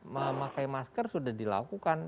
memakai masker sudah dilakukan